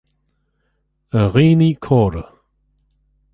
A dhaoine córa,